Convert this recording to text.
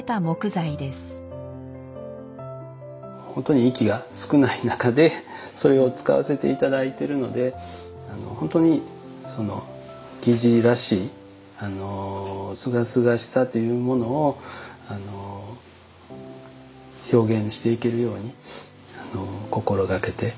本当にいい木が少ない中でそれを使わせて頂いてるので本当に木地らしいすがすがしさというものを表現していけるように心掛けて作っています。